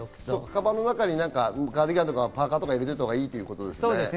かばんの中にカーディガンとかパーカーを入れておいたほうがいいんですね。